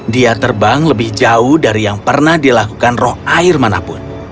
dia terbang lebih jauh dari yang pernah dilakukan roh air manapun